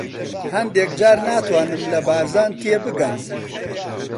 هەندێک جار ناتوانم لە بارزان تێبگەم.